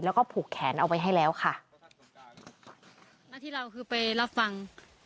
แล้วก็ผูกแขนเอาไว้ให้แล้วค่ะหน้าที่เราคือไปรับฟัง